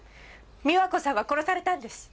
美和子さんは殺されたんです！